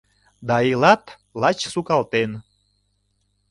Да илат лач сукалтен